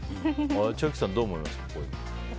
千秋さん、どう思いますか？